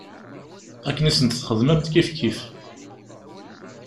Akken i sent-txedmemt kifkif.